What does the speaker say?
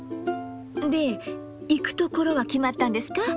で行くところは決まったんですか？